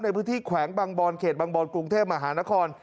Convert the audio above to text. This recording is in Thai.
แขวงบางบอนเขตบางบอนกรุงเทพมหานคร